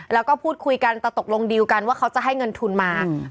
แล้วก็พูดคุยกันแต่ตกลงดีลกันว่าเขาจะให้เงินทุนมา